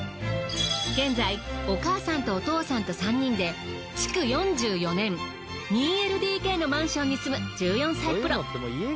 現在お母さんとお父さんと３人で築４４年２ＬＤＫのマンションに住む１４歳プロ。